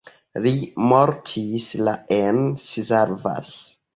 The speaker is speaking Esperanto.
Li mortis la en Szarvas.